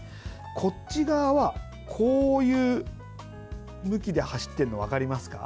こっち側はこういう向きで走っているの分かりますか。